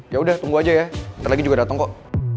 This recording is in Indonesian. yaudah tunggu aja ya ntar lagi juga dateng kok